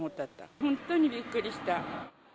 本当にびっくりした。